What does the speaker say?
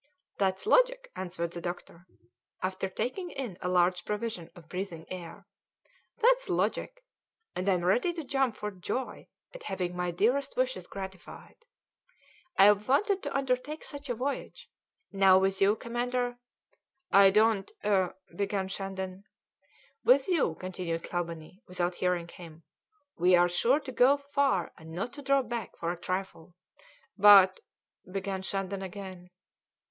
"That's logic," answered the doctor, after taking in a large provision of breathing air "that's logic. And I am ready to jump for joy at having my dearest wishes gratified. I've wanted to undertake such a voyage. Now with you, commander " "I don't " began Shandon. "With you," continued Clawbonny, without hearing him, "we are sure to go far and not to draw back for a trifle." "But " began Shandon again.